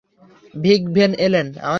ভিক ভেন এলেন?